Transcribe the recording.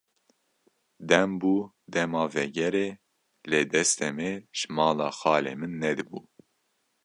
Dem bû dema vegerê, lê destê me ji mala xalê min nedibû.